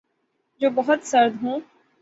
جو بہت سرد ہوں